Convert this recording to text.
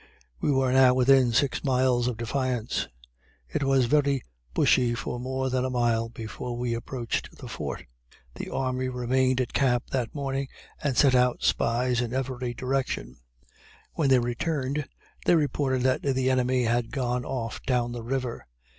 We were now within six miles of Defiance. It was very bushy for more than a mile before we approached the fort. The army remained at camp that morning, and sent out spies in every direction; when they returned, they reported that the enemy had gone off down the river.